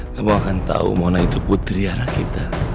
kamu akan tahu mona itu putri anak kita